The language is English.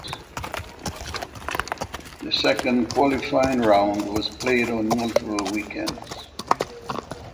The second qualifying round was played on multiple weekends.